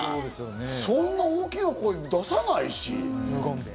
そんな大きな声、出さないし。